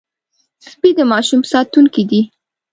سپي د ماشوم ساتونکي دي.